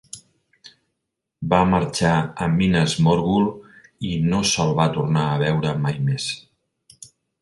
Va marxar a Minas Morgul i no se'l va tornar a veure mai més.